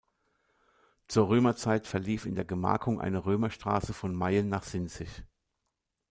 Zur Römerzeit verlief in der Gemarkung eine Römerstraße von Mayen nach Sinzig.